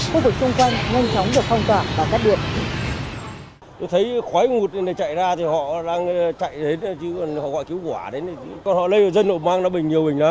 khu vực xung quanh ngân chóng được phong tỏa và cắt điện